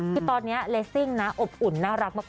คือตอนนี้เลซิ่งนะอบอุ่นน่ารักมาก